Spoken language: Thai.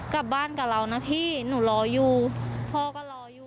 กลับบ้านกับเรานะพี่หนูรออยู่พ่อก็รออยู่